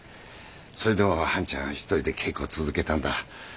それでも半ちゃん一人で稽古続けたんだ。